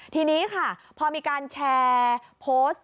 ทีนี้ค่ะพอมีการแชร์โพสต์